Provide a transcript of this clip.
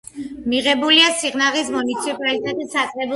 მიღებულია სიღნაღის მუნიციპალიტეტის საკრებულოს მიერ.